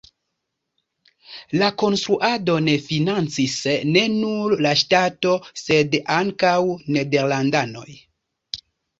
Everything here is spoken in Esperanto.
La konstruadon financis ne nur la ŝtato, sed ankaŭ nederlandanoj.